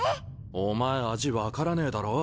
おまえ味分からねえだろ。